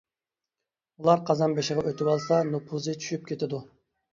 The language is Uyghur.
ئۇلار قازان بېشىغا ئۆتۈۋالسا نوپۇزى چۈشۈپ كېتىدۇ.